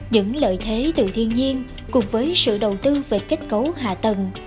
những lợi thế từ thiên nhiên cùng với sự đầu tư về kết cấu hạ tầng